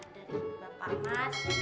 dari bapak mas